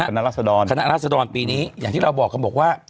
คณะรัศดรคณะราษฎรปีนี้อย่างที่เราบอกเขาบอกว่า